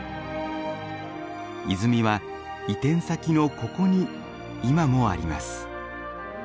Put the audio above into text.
泉は移転先のここに今もあります。